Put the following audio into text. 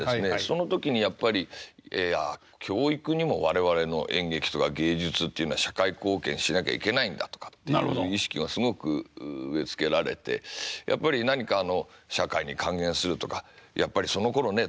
その時にやっぱり教育にも我々の演劇とか芸術っていうのは社会貢献しなきゃいけないんだとかっていう意識がすごく植え付けられてやっぱり何かあの社会に還元するとかやっぱりそのころね